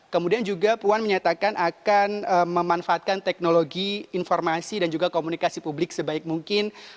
kemudian juga puan menyatakan akan memanfaatkan teknologi informasi dan juga komunikasi publik sebaik mungkin